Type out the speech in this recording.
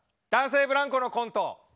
男性ブランコのコント